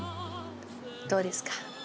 どうですか？